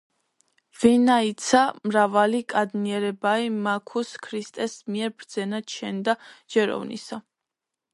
ვინაიცა მრავალი კადნიერებაი მაქუს ქრისტეს მიერ ბრძენად შენდა ჯეროვნისა.